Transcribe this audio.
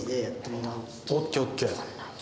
ＯＫＯＫ！